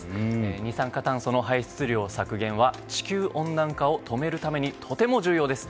二酸化炭素の排出量削減は地球温暖化を止めるためにとても重要です。